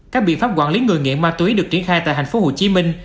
các biện pháp quản lý người nghiện ma túy được triển khai tại tp hcm